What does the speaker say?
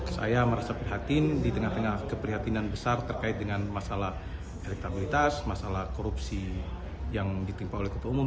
saya merasa prihatin di tengah tengah keprihatinan besar terkait dengan masalah elektabilitas masalah korupsi yang ditimpa oleh ketua umum